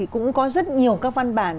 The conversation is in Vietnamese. cũng có rất nhiều các văn bản